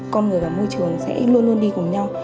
con người và môi trường sẽ luôn luôn đi cùng nhau